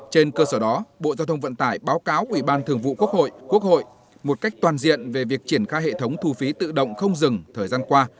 trên cơ sở đó bộ giao thông vận tải báo cáo ủy ban thường vụ quốc hội một cách toàn diện về việc triển khai hệ thống thu phí tự động không dừng thời gian qua